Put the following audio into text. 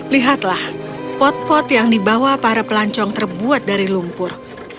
lihatlah pot pot yang dibawa para pelancong terbuat dari lumpur